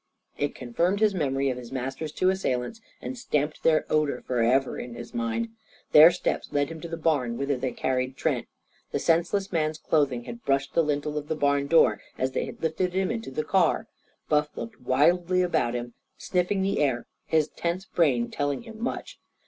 It confirmed his memory of his master's two assailants, and stamped their odour for ever in his mind. Their steps led him to the barn whither they had carried Trent. The senseless man's clothing had brushed the lintel of the barn door as they had lifted him into the car. Buff looked wildly about him, sniffing the air, his tense brain telling him much.